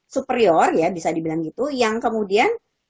superior ya bisa dibilang gitu yang kemudian